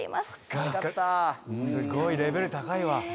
すごいレベル高いわ。